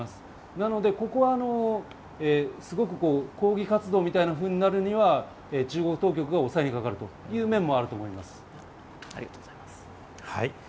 なので、ここはすごく抗議活動みたいなふうになるには中国当局が抑えにかかるという面もあると思います。